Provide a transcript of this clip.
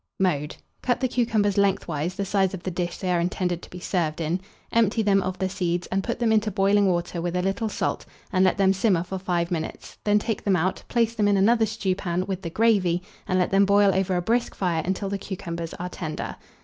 Mode. Cut the cucumbers lengthwise the size of the dish they are intended to be served in; empty them of the seeds, and put them into boiling water with a little salt, and let them simmer for 5 minutes; then take them out, place them in another stewpan, with the gravy, and let them boil over a brisk fire until the cucumbers are tender.